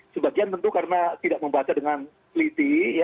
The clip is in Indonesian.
sebagian tentu karena tidak membaca dengan teliti